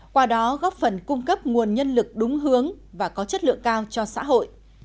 qua đó góp phần cung cấp nguồn nhân lực đúng hướng và có chất lượng cao cho xã hội